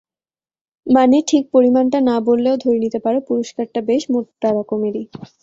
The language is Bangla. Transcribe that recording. মানে ঠিক পরিমাণটা না বললেও ধরে নিতে পারো পুরস্কারটা বেশ মোটা রকমেরই।